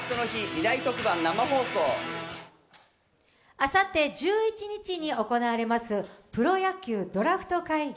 あさって１１日に行われるプロ野球ドラフト会議。